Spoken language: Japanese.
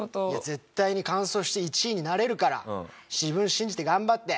絶対に完走して１位になれるから自分信じて頑張って。